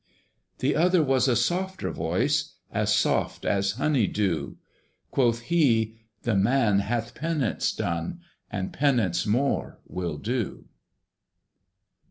The other was a softer voice, As soft as honey dew: Quoth he, "The man hath penance done, And penance more will do."